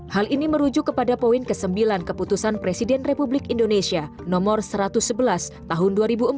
hal ini merujuk kepada poin ke sembilan keputusan presiden republik indonesia nomor satu ratus sebelas tahun dua ribu empat